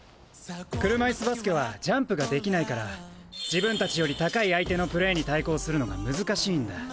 車いすバスケはジャンプができないから自分たちより高い相手のプレーに対抗するのが難しいんだ。